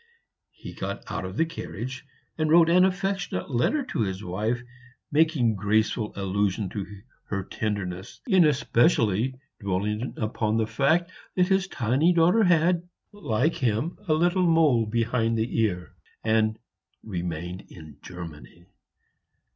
He got out of the carriage, and wrote an affectionate letter to his wife, making graceful allusion to her tenderness in especially dwelling upon the fact that his tiny daughter had, like him, a little mole behind the ear, and remained in Germany.